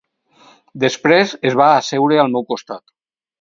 Després es va asseure al meu costat.